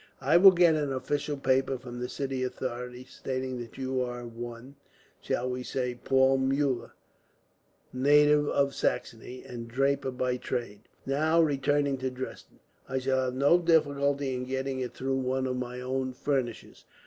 "I will get an official paper from the city authorities, stating that you are one shall we say Paul Muller, native of Saxony, and draper by trade? now returning to Dresden. I shall have no difficulty in getting it through one of my own furnishers.